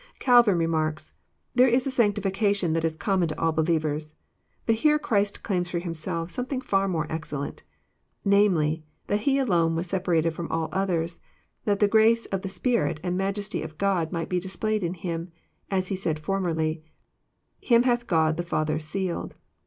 Calvin remarks :'< There is a sanctificatlon that is common to all believers. But here Christ claims for Himself something far more excellent : namely, that He alone was separated from all others, that the grace of the Spirit and majesty of God might be displayed in Him; as He said formerly, 'Him hath €rod the Father sealed.'